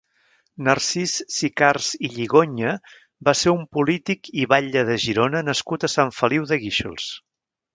Narcís Sicars i Lligoña va ser un polític i batlle de Girona nascut a Sant Feliu de Guíxols.